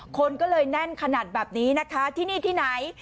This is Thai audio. คนก็เลยแน่นขนาดแบบนี้นะคะที่นี่ที่ไหน